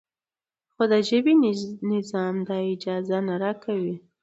خو د ژبې نظام دا اجازه نه راکوي.